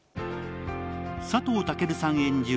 佐藤健さん演じる